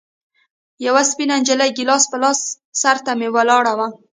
يوه سپينه نجلۍ ګيلاس په لاس سر ته مې ولاړه وه.